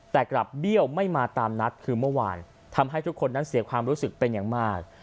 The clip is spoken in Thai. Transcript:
แต่กลับเบี้ยวไม่มาตามนัดคือเมื่อวานทำให้ทุกคนนั้นเสียความรู้สึกเป็นอย่างมาก